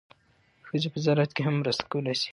ښځې په زراعت کې هم مرسته کولی شي.